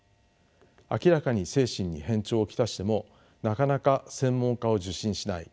明らかに精神に変調を来してもなかなか専門家を受診しない。